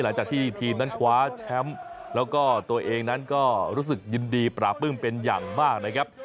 หลังจากที่ทีมนั้นคว้าแชมป์แล้วก็ตัวเองนั้นก็รู้สึกยินดีปราบปื้มเป็นอย่างมากนะครับ